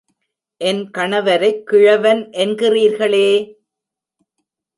என் கணவரைக் கிழவன் என்கிறீர்களே!